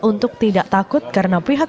untuk tidak takut karena pihak